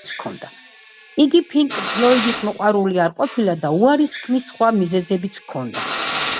იგი პინკ ფლოიდის მოყვარული არ ყოფილა და უარის თქმის სხვა მიზეზებიც ჰქონდა.